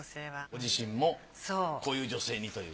ご自身もこういう女性にという。